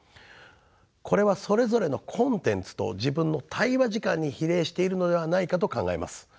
これはそれぞれのコンテンツと自分の対話時間に比例しているのではないかと考えます。